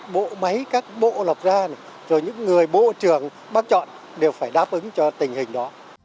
bộ máy các bộ lập ra rồi những người bộ trưởng bác chọn đều phải đáp ứng cho tình hình đó